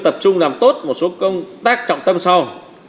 tập trung làm tốt một số công tác trọng tâm sau